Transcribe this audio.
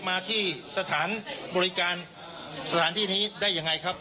มาที่สถานบริการสถานที่นี้ได้ยังไงครับ